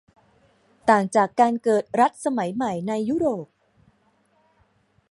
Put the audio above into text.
ต่างจากการเกิดรัฐสมัยใหม่ในยุโรป